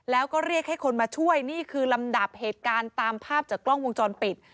แล้วก็เรียกให้คนมาช่วยนี่คือลำดับเหตุการณ์ตามภาพจากกล้องวงจรปิด